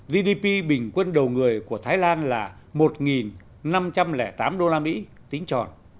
gdp bình quân đầu người của thái lan là một năm trăm linh tám usd tính tròn